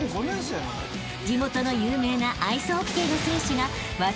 ［地元の有名なアイスホッケーの選手が］